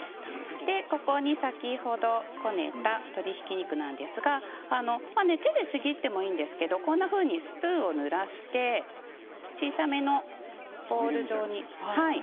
先ほどこねた鶏ひき肉ですが手でちぎってもいいんですけれどもスプーンをぬらして小さめのボール状に。